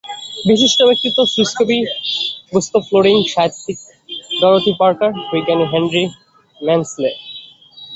বিশিষ্ট ব্যক্তিত্ব—সুইস কবি গুস্তভ ফ্রোডিং, সাহিত্যিক ডরোথি পার্কার, বিজ্ঞানী হেনরি মেন্সলে।